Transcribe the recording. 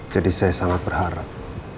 jadi saya sangat berharap